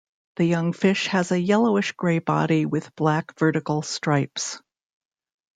The young fish has a yellowish gray body with black vertical stripes.